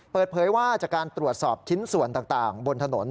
เปิดเผยว่าจากการตรวจสอบชิ้นส่วนต่างบนถนน